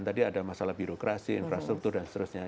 tadi ada masalah birokrasi infrastruktur dan seterusnya